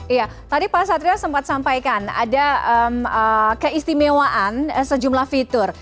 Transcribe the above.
iya tadi pak satrio sempat sampaikan ada keistimewaan sejumlah fitur